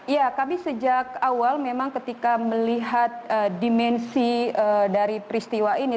ya kami sejak awal memang ketika melihat dimensi dari peristiwa ini